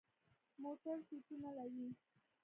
موټر سیټونه لري.